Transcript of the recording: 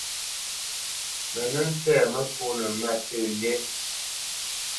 Mə nə́ ntsɛ́ məkónə masə̂ lí.